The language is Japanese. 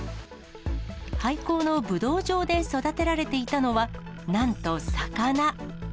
廃校の武道場で育てられていたのは、なんと魚。